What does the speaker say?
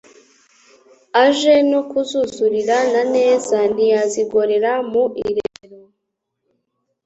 Aje no kuzuzurira na neza Ntiyazigorera mu iremero